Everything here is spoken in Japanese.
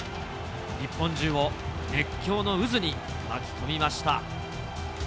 日本中を熱狂の渦に巻き込みました。